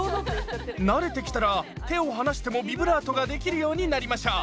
慣れてきたら手を離してもビブラートができるようになりましょう！